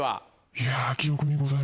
いや。